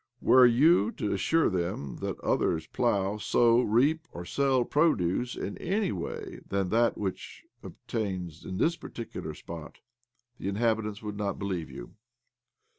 Were you to assure them that others plough, sow, reap, or sell their produce in any way than that which obtains in this particular spot, the inhabitants would not believe you.